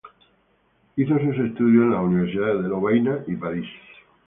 Hizo sus estudios en las universidades de Lovaina y París.